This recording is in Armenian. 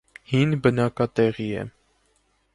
Հին բնակատեղի է։